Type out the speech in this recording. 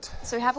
そう。